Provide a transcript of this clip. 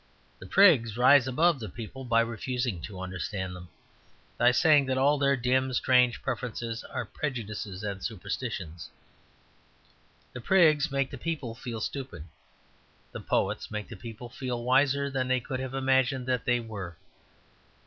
The Prigs rise above the people by refusing to understand them: by saying that all their dim, strange preferences are prejudices and superstitions. The Prigs make the people feel stupid; the Poets make the people feel wiser than they could have imagined that they were.